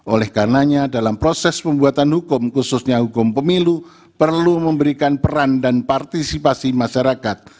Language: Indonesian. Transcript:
oleh karenanya dalam proses pembuatan hukum khususnya hukum pemilu perlu memberikan peran dan partisipasi masyarakat